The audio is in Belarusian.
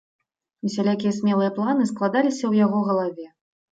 Усялякія смелыя планы складаліся ў яго галаве.